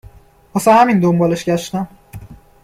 .واسه همین دنبالش گشتم